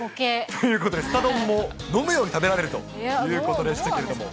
ということで、すた丼も飲むように食べられるということでしたけれども。